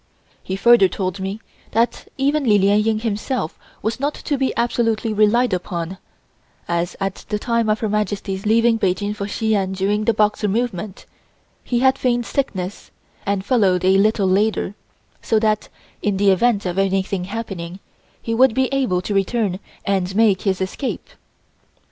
He further told me that even Li Lien Ying himself was not to be absolutely relied upon, as at the time of Her Majesty's leaving Peking for Shi An during the Boxer movement, he had feigned sickness, and followed a little later, so that in the event of anything happening, he would be able to return and make his escape.